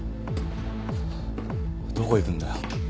どこ行くんだよ？